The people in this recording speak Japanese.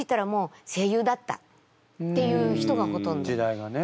時代がね。